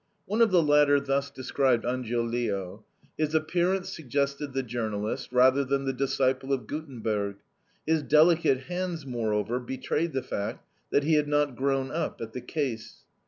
One of the latter thus described Angiolillo: "His appearance suggested the journalist rather than the disciple of Guttenberg. His delicate hands, moreover, betrayed the fact that he had not grown up at the 'case.'